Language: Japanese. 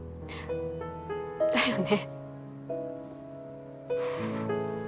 だよね。